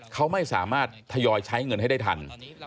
เขาไม่สามารถทยอยใช้เงินให้ได้ทัน